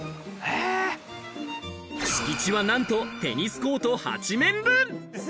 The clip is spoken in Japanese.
敷地は、なんとテニスコート８面分！